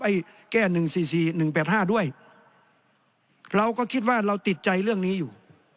แก้๑๔๔๑๘๕ด้วยเราก็คิดว่าเราติดใจเรื่องนี้อยู่